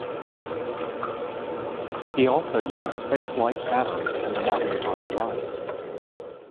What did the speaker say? He also used "face like" patterns in the mountain on the right.